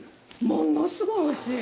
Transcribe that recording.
ものすごい美味しい。